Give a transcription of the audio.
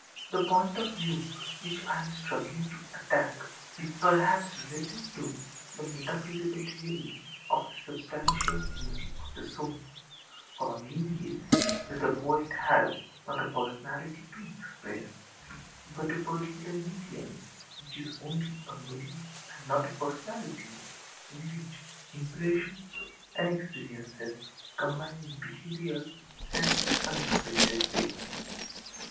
The point of view which I am struggling to attack is perhaps related to the metaphysical theory of the substantial unity of the soul: for my meaning is, that the poet has, not a âpersonalityâ to express, but a particular medium, which is only a medium and not a personality, in which impressions and experiences combine in peculiar and unexpected ways.